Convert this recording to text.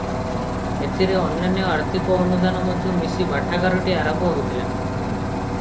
ଏଥିରେ ଅନ୍ୟାନ୍ୟ ଆର୍ଥିକ ଅନୁଦାନ ମଧ୍ୟ ମିଶି ପାଠାଗାରଟି ଆରମ୍ଭ ହୋଇଥିଲା ।